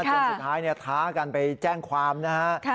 จนสุดท้ายท้ากันไปแจ้งความนะฮะ